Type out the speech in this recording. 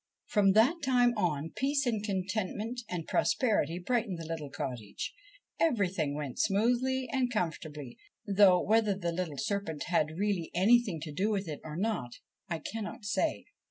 From that time on, peace and contentment and prosperity brightened the little cottage. Everything went smoothly and com fortably, though whether the little serpent had really anything to do with it or not, I cannot say.